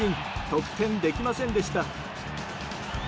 得点できませんでした。